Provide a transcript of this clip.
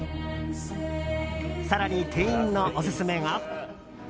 更に店員のオススメが。